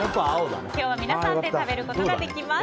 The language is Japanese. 今日は皆さんで食べることができます。